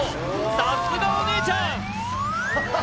さすがお姉ちゃん！